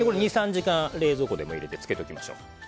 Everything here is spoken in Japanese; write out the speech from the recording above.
２３時間冷蔵庫にでも入れて漬けておきましょう。